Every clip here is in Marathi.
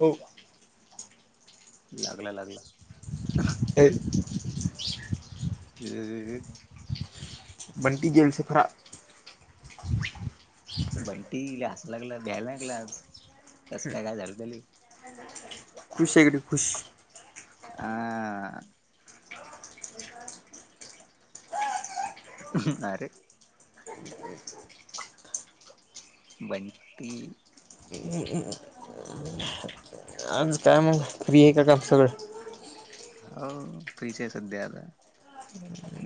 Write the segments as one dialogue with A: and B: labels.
A: हो.
B: लागला लागला.
A: होय.
B: [unintelligible]
A: बंटी जेल से फरार.
B: बंटी लई हसू लागला. भ्यायला लागलं आज. कसं काय? काय झालं तल?
A: [inaudible] खुश आहे गडी खुश.
B: आ. आरे.
A: ह
B: बन्टी.
A: [unintelligible] आज काय मग? फ्री आहे का काम सगळं?
B: हो. फ्रीच आहे सध्या आता.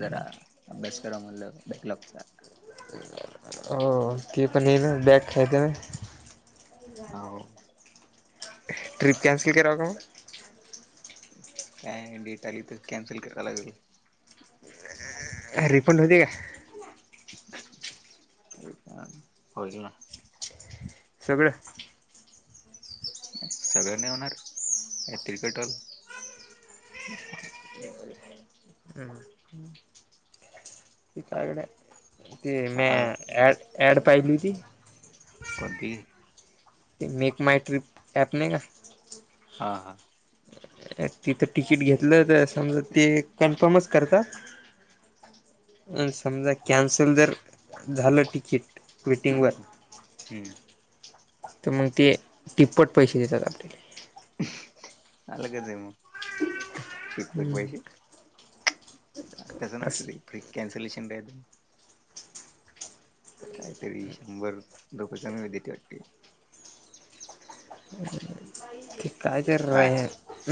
B: जरा, अभ्यास करा म्हटल बॅक लॉकचा.
A: [unintelligible] बॅक [unintelligible]
B: हो.
A: ट्रिप कॅन्सल कराव का मग?
B: काय डेट आली तर कॅन्सल कराव लागेल.
A: रिफंड होते का?
B: रिफ़ंड? होईल ना.
A: सगळं?
B: सगळ नाही होणार. [unintelligible] कटल.
A: [inaudible] हम्म. ते काय गड्या? ते मी
B: पाहाला
A: ॲड- ॲड पाहिली ती.
B: कोणती?
A: ते मेक माय ट्रिप ॲप नाही का?
B: हा -हा.
A: तिथं तिकीट घेतलं तर समज ते कन्फर्मच - करता आणि समजा कॅन्सल जर झालं तिकीट - वेटिंग वर.
B: हम्.
A: तर मग ते तिप्पट पैसे देतात आपल्याला -
B: [unintelligible] चाल कच आहे मग टिप्पट
A: हम्म
B: पैसे - तसं
A: असं
B: नसतं ते कॅन्सलेशन - कायतरी शंभर रुपये कमी देते वाटते! [unintelligible]
A: ते काय तर र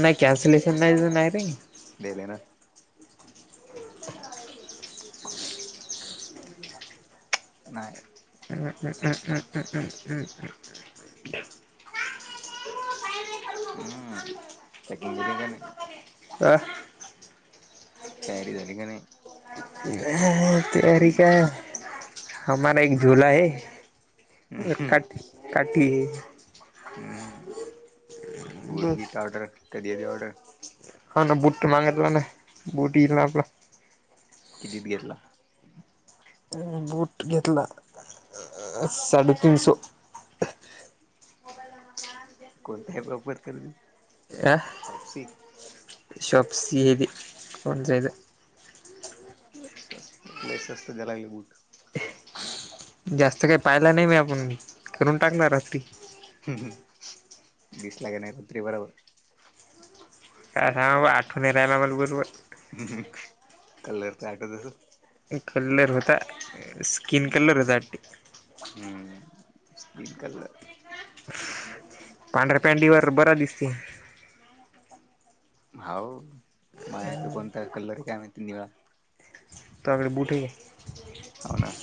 A: नाही कॅन्सलेशन नाहीच नाही रे -
B: देले ना - नाही.
A: [unintelligible]
B: हम्म, पॅकिंग दिली त्याने -
A: आ.
B: तयारी झाली का नाही?
A: तयारी काय [unintelligible]
B: हम्म
A: काट -काट
B: बूट
A: बस
B: गीता ऑर्डर कधी ते ऑर्डर -
A: ह ना बूट मागतला ना बूटी येईल आपला -
B: कितीत घेतला -
A: बूट घेतला, साडेतीनसो -
B: कोणताही वापर कर - [unintelligible]
A: या शॉप स येत [unintelligible]
B: स्वस्त, लय स्वस्त द्यायला बूट -
A: जास्त काही पाहिला नाही मी आपण करून टाकणार रात्री -
B: दिसला का नाही रात्री बरोबर -
A: काय हां सांग आठव [unintelligible] न राहिला मग बरोबर -
B: कलर तर आठवत असेल - [unintelligible]
A: कलर होता स्कीिन कलर होते.
B: हम्म स्कीन कलर -
A: पांढऱ्या पॅंटीवर बरं दिसते.
B: हाव माय त कोणता कल्लर आहे काय माहिती निळा
A: त्याकडे बुटे
B: होना.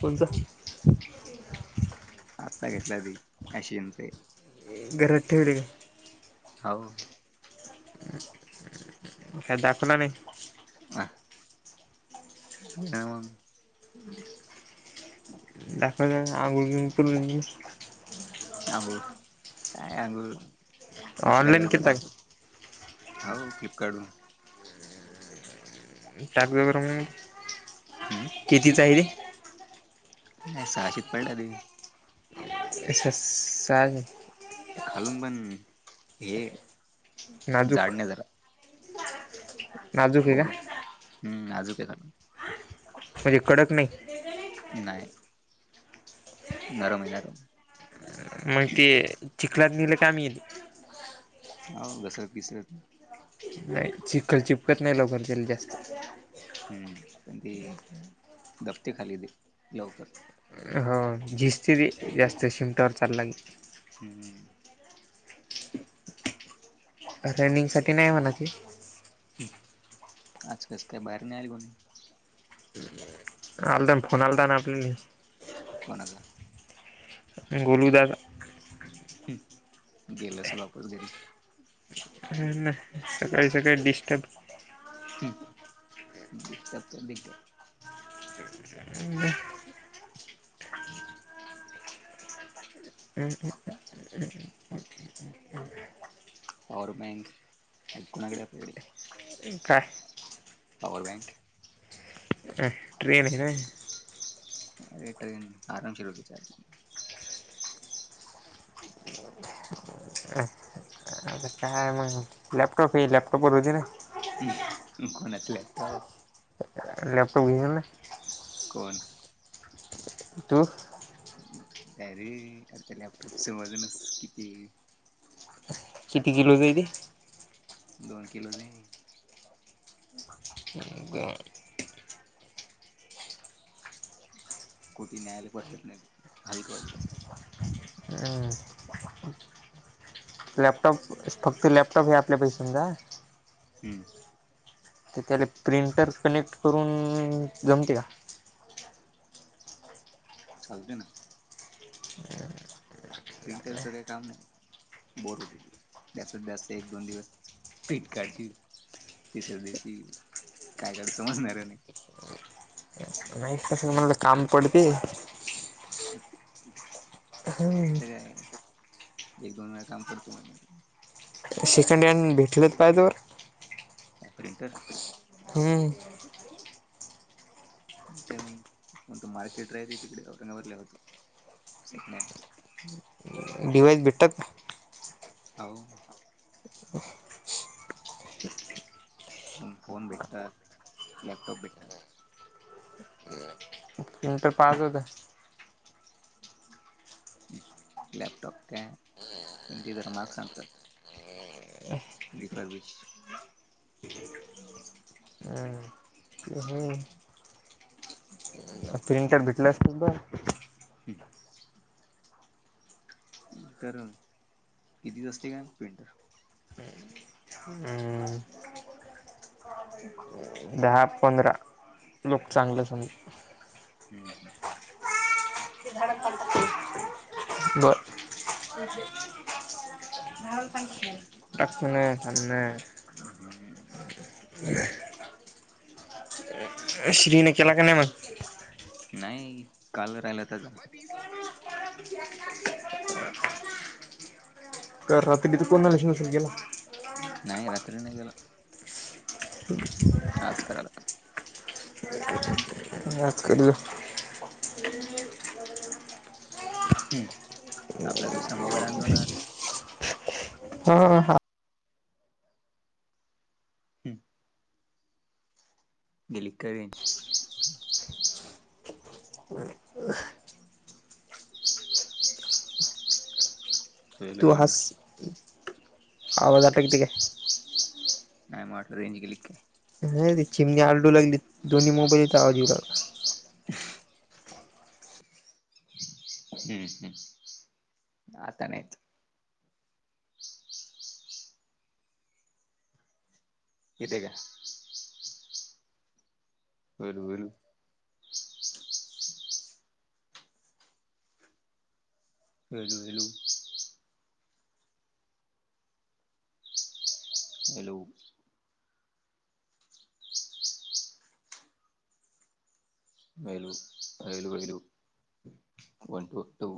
A: कोणाचं.
B: आत्ता घेतला ती आशिमचे
A: गरठेडे [unintelligible]
B: हाव.
A: का दाखवला नाही.
B: वा. काय मग.
A: दच आगू प [unintelligible]
B: आंघोळ काय आंघोळ उशिरा
A: ऑनलाईन
B: करतात
A: केलता का?
B: आंघोळ. हो फ्लिपकार्ट वून [unintelligible]
A: टक बर [unintelligible]
B: हम्,
A: किती चा आहे रे.
B: अ सहाशीच पडला ती.
A: अा स [unintelligible]
B: खालून पण हे
A: नाजूक
B: जाड नाही झालं.
A: नाजुक आहे का?
B: वरून हम्म, नाजूक आहे ना.
A: म्हणजे कडक नाही?
B: नाही. नरम आहे नरम.
A: मग ते,, चिखलात नेले का मी
B: हाव घसरत बीसरत नई.
A: नाही चिखल चिपकत नाही लवकर त्याले जास्त.
B: हम्म पण ते, दपते खाली ते लवकर.
A: झीस्तेती, जास्त शिमटावर चाला लागलं की.
B: हम्म हम्म.
A: रनिंग साठी नाही म्हणा ती.
B: हम्म आज कस काय बाहेर नाही आयली कोणी?
A: [inaudible] आलता, फोन आलता ना आपली
B: कोणाचा?
A: गोलू दा चा.
B: हम्म गेलं असल वापस घरी.
A: हम्म ना सकाळी सकाळी डिस्टर्ब.
B: हम्म डिस्टब करली का?
A: [unintelligible] हम्म [unintelligible] [unintelligible]
B: पॉवर बँक, हाय कोणाकडे आपल्याकडे?
A: का?
B: पॉवर बँक
A: अ ट्रेन [unintelligible] काय.
B: अरे ट्रेन आरामशीर होती. [unintelligible]
A: अ काय मग, लॅपटॉप हे लॅपटॉप वर होती ना.
B: कोणाचं लॅपटॉप?
A: लॅपटॉप घिल ना?
B: कोण?
A: तु?
B: अरे, खर तर लॅपटॉपच वजनच किती.
A: किती किलोच हाय ते?
B: दोन किलो [unintelligible]
A: हम्म बर.
B: कोटी न्यायालय परवत नाही ते, हलकं पाहिजे तसं.
A: ह. लॅपटॉप, फक्त लॅपटॉप हे आपल्या पै समजा..
B: हम्म.
A: तर त्याला प्रिंटर कनेक्ट करून, जमते का?
B: चालते ना. प्रिंटरच काय नई, बोर हो [unintelligible] जास्त जास्त एक दोन दिवस फीट काढची, तिसऱ्या दिवशी काय काडू समजणार नाही.
A: नाही कसं म्हणाला काम पडते.
B: जास्त काय, एक दोन वेळा काम पडते म्हण.
A: सेकंड हँड भेटलेत पाय तवर.
B: ऑपरेटर
A: हम्म,
B: ते कोणत मार्केट राहत तिकडे [unintelligible] होत सेकंड हँड.
A: हम् डीिवायस बीटक
B: हो फोन भेटतात लॅपटॉप भेटतात
A: म म तरर पाच होत
B: लॅपटॉप काय पण तेी जरा मार्क सांगतात रिफार बीच
A: [unintelligible] हम् हम्म प्रिंटट भेटला असत तर
B: ठीक पिंटर कितीच असते काय पिंटर
A: ह हमम ह दहा पंधरा लोक चांगले सग
B: हम् हम
A: बर का न सांने
B: हम्म
A: म्ह श्रीने केला का नाही मण
B: नाही काल राहिला त्या
A: [unintelligible] कात तिथं कोणा लन गेला
B: नाही रात्री नाही गेला
A: हो
B: आज करायला लाग
A: [unintelligible] ज करे ह
B: हम्म आपला दुसरा मोबाईल आण दो नाज
A: हा ह
B: ह गिलीिकवींश
A: ह
B: वेलू
A: तू
B: वेलू
A: हस आवाजज आता किती काय
B: नाहीय माटलाेज केलीिक
A: ह र चिमणी आडू लागली दोन्ही मोबाईलचा आवाज येऊ लागला
B: हम्म हम्म आताने ययत यथ का बरोबर वलू वलू हॅलो वेल वयल वैल वन टू टू